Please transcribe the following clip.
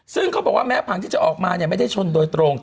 ซึ่งเขาบอกว่าแม้ผังที่จะออกมาเนี่ยไม่ได้ชนโดยตรง